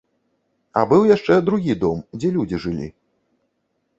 А быў яшчэ другі дом, дзе людзі жылі.